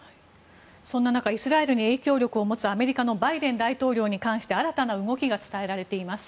そんな中、イスラエルに影響力を持つアメリカのバイデン大統領に関して新たな動きが伝えられています。